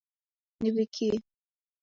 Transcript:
Niwikie